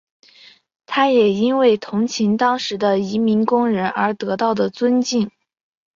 他也因为同情当时的移民工人而得到的尊敬。